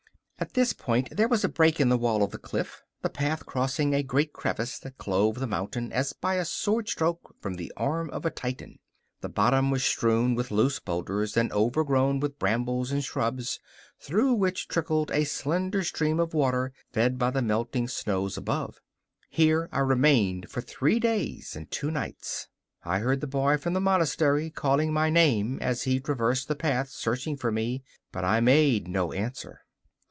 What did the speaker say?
At this point there was a break in the wall of the cliff, the path crossing a great crevice that clove the mountain as by a sword stroke from the arm of a Titan. The bottom was strewn with loose boulders and overgrown with brambles and shrubs, through which trickled a slender stream of water fed by the melting snows above. Here I remained for three days and two nights. I heard the boy from the monastery calling my name as he traversed the path searching for me, but I made no answer.